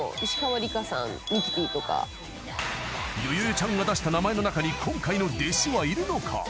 ちゃんが出した名前の中に今回の弟子はいるのか？